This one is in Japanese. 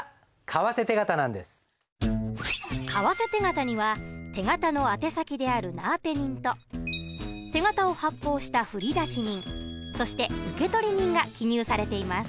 為替手形には手形のあて先である名あて人と手形を発行した振出人そして受取人が記入されています。